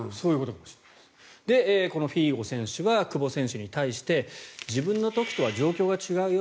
このフィーゴ選手が久保選手に対して自分の時とは状況が違うよ